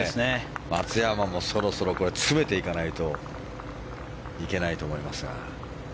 松山もそろそろ詰めていかないといけないと思いますが。